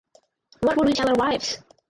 What would we tell our wives?